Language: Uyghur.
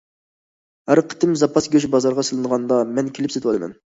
ھەر قېتىم زاپاس گۆش بازارغا سېلىنغاندا، مەن كېلىپ سېتىۋالىمەن.